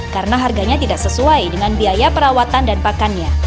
karena harganya tidak sesuai dengan biaya perawatan dan pakannya